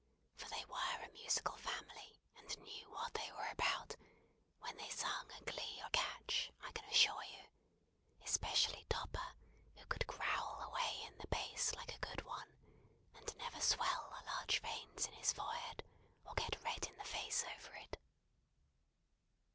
For they were a musical family, and knew what they were about, when they sung a Glee or Catch, I can assure you: especially Topper, who could growl away in the bass like a good one, and never swell the large veins in his forehead, or get red in the face over it.